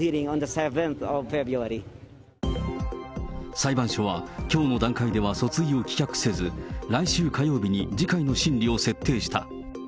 裁判所はきょうの段階では訴追を棄却せず、来週火曜日に次回の審理を設定した。